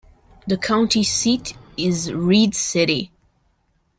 The county seat is Reed City.